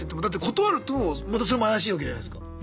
だって断るとまたそれも怪しいわけじゃないですか。